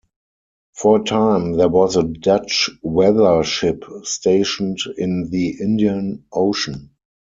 For a time, there was a Dutch weather ship stationed in the Indian Ocean.